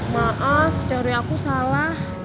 maaf teori aku salah